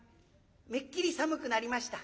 めっきり寒くなりました。